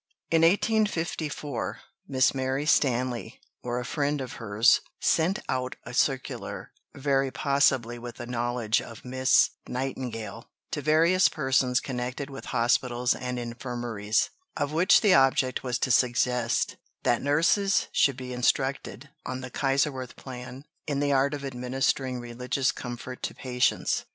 In 1854, Miss Mary Stanley, or a friend of hers, sent out a circular, very possibly with the knowledge of Miss Nightingale, to various persons connected with hospitals and infirmaries, of which the object was to suggest that nurses should be instructed, on the Kaiserswerth plan, in the art of administering religious comfort to patients.